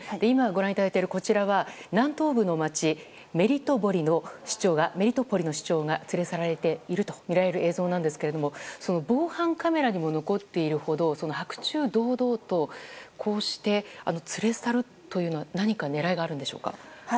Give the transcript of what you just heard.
今、ご覧いただいているこちらは南東部の街メリトポリの市長が連れ去られているとみられる映像なんですが防犯カメラにも残っているほど白昼堂々とこうして連れ去るというのは何か狙いがあるんでしょうか？